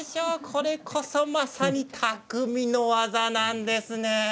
これこそまさにたくみの技なんですね。